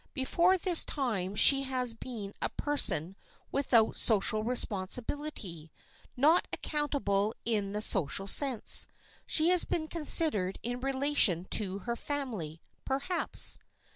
Before this time she has been a person without social responsibility, not accountable in the social sense. She has been considered in relation to her family, perhaps.